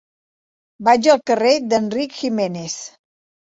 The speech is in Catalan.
Vaig al carrer d'Enric Giménez.